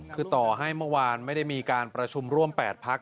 คือต่อให้เมื่อวานไม่ได้มีการประชุมร่วม๘พัก